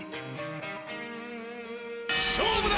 勝負だ！